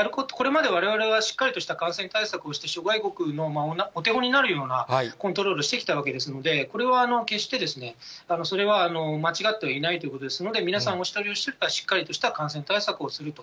やること、これまでわれわれはしっかりとした感染対策をして、諸外国のお手本になるようなコントロールをしてきたわけですので、これは決してですね、それは間違ってはいないということですので、皆さん、お一人お一人がしっかりとした感染対策をすると。